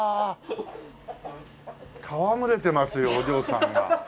戯れてますよお嬢さんが。